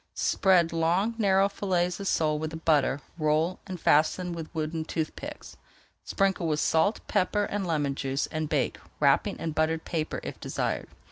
Spread long narrow fillets of sole with the butter, roll and fasten with wooden tooth picks. Sprinkle with salt, pepper, and lemon juice, and bake, wrapping in buttered paper if desired.